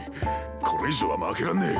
これ以上はまけらんねえ。